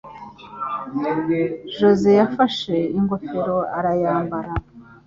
Jose yafashe ingofero arayambara.